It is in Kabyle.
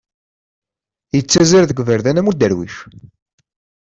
Yettazzal deg yiberdan am uderwic.